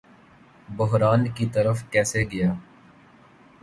بحران کی طرف کیسے گیا